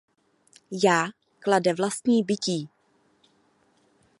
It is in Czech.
Já klade vlastní bytí.